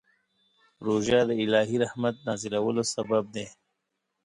روژه د الهي رحمت نازلولو سبب دی.